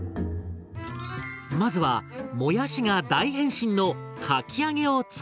まずはもやしが大変身のかき揚げを作ります。